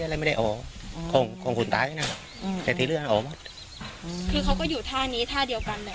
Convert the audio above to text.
อ้าวแล้วเราเคยเห็นเขาทะเลาะมีปรับเสียงกันละก่อนไหม